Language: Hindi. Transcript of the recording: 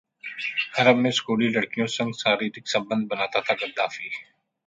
हरम में स्कूली लड़कियों संग शारीरिक संबंध बनाता था गद्दाफी